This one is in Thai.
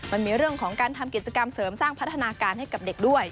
มันมีเรื่องของการทำกิจกรรมเสริมสร้างพัฒนาการให้กับเด็กด้วย